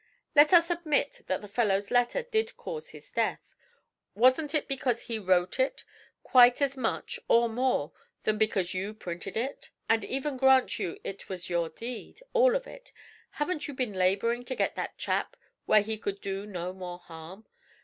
'Let us admit that the fellow's letter did cause his death. Wasn't it because he wrote it quite as much or more than because you printed it? And even grant you it was your deed, all of it, haven't you been labouring to get that chap where he could do no more harm?